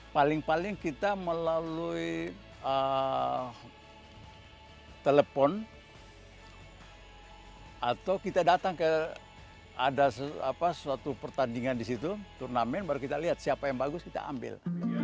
paling paling kita melalui telepon atau kita datang ke ada suatu pertandingan di situ turnamen baru kita lihat siapa yang bagus kita ambil